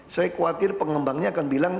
saya khawatir pengembangnya akan bilang